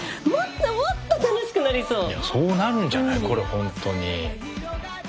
そうなるんじゃないこれ本当に。